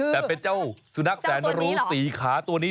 แต่เป็นเจ้าสุนัขแสนรู้สีขาตัวนี้